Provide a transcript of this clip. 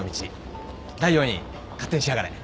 第４位勝手にしやがれ。